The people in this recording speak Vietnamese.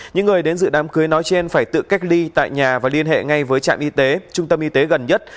những người đến dự đám cưới nói trên phải tự cách ly tại nhà và liên hệ ngay với trạm y tế trung tâm y tế gần nhất